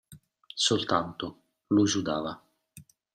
Soltanto, lui sudava.